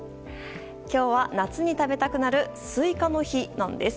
今日は夏に食べたくなるスイカの日なんです。